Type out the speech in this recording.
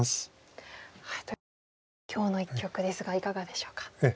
ということで今日の一局ですがいかがでしょうか？